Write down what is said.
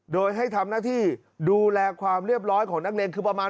โดยให้ทำหน้าที่ดูแลความเรียบร้อยของนักเรียนคือประมาณ